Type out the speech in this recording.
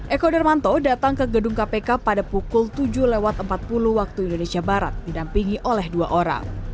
eko darmanto datang ke gedung kpk pada pukul tujuh lewat empat puluh waktu indonesia barat didampingi oleh dua orang